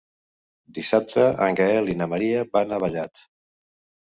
Dissabte en Gaël i na Maria van a Vallat.